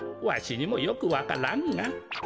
わしにもよくわからんが。